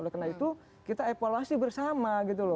oleh karena itu kita evaluasi bersama